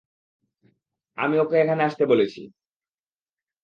আমি ওকে এখানে আসতে বলেছি।